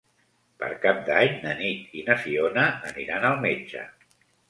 Per Cap d'Any na Nit i na Fiona aniran al metge.